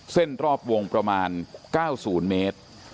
เส้นรอบวงประมาณ๙๐เมตร